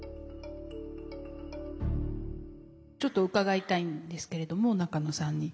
ちょっと伺いたいんですけれども中野さんに。